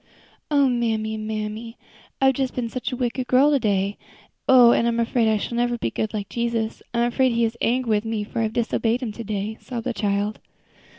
"O mammy, mammy! I've been such a wicked girl to day! Oh! I'm afraid I shall never be good, never be like Jesus. I'm afraid He is angry with me, for I have disobeyed Him to day," sobbed the child.